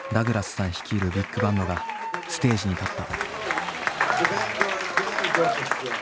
さん率いるビッグバンドがステージに立った。